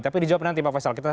tapi dijawab dengan tim pak faisal